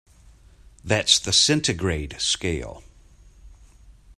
That's the centigrade scale.